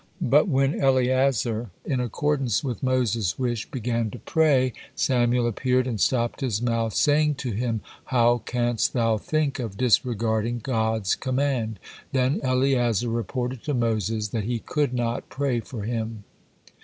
But when Eleazar, in accordance with Moses' wish, began to pray, Samael appeared and stopped his mouth, saying to him, "How canst thou think of disregarding God's command?" Then Eleazar reported to Moses that he could not pray for him.